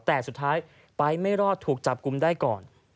แต่สุดท้ายไปไม่รอดถูกจับกลุ่มได้ก่อน